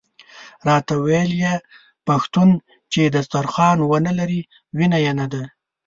راته ویل یې پښتون چې دسترخوان ونه لري وینه یې نده.